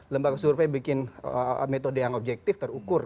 lembaga survei bikin metode yang objektif terukur